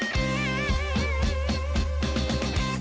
โปรดติดตามตอนต่อไป